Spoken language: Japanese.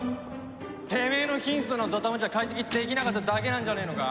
てめえの貧相なドタマじゃ解析できなかっただけなんじゃねえのか？